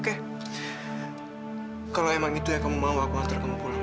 oke kalau emang itu yang kamu mau aku hantar kamu pulang ya